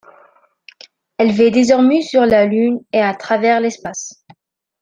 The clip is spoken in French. Elle vit désormais sur la Lune et à travers l'espace.